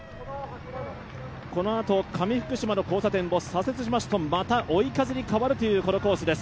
このあと上福島の交差点を左折しますとまた追い風に変わるというこのコースです。